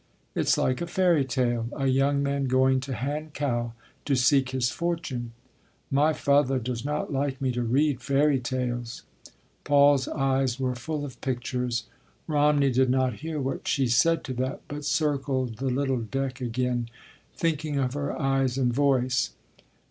"It’s like a fairy tale—a young man going to Hankow to seek his fortune—" "My father does not like me to read fairy tales—" Paul’s eyes were full of pictures. Romney did not hear what she said to that, but circled the little deck again, thinking of her eyes and voice.